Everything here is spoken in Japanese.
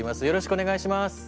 よろしくお願いします。